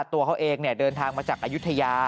ตัวเขาเองเดินทางมาจากอายุทยา